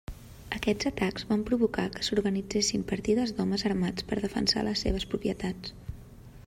Aquests atacs van provocar que s'organitzessin partides d'homes armats per defensar les seves propietats.